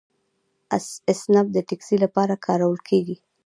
اسنپ د ټکسي لپاره کارول کیږي.